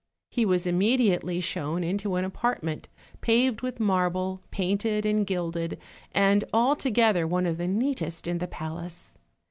He was immediately shown into an apartment paved with marble, painted and gilded, and altogether one of the neatest in the palace.